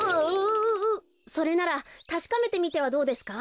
それならたしかめてみてはどうですか？